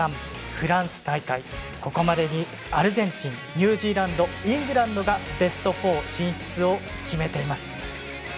フランス大会、ここまでにアルゼンチンニュージーランドイングランドがベスト４進出を決めています。